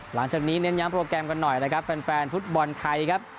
หลังจากนี้เน้นย้ำโปรแกรมกันหน่อยนะครับแฟนฟุตบอลไทยครับ